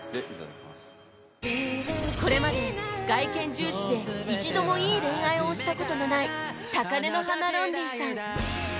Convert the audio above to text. これまで外見重視で一度もいい恋愛をした事のない高嶺の花ロンリーさん